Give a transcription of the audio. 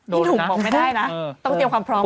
พี่ถูกบอกไม่ได้นะต้องเตรียมความพร้อมก่อนนะ